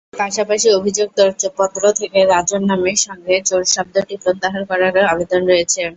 পাশাপাশি অভিযোগপত্র থেকে রাজন নামের সঙ্গে চোর শব্দটি প্রত্যাহার করারও আবেদন রয়েছে।